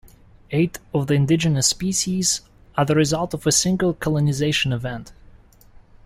Eight of the indigenous species are the result of a single colonization event.